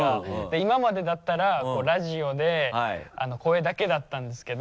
今までだったらラジオで声だけだったんですけど。